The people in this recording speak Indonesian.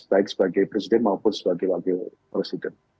baik sebagai presiden maupun sebagai wakil presiden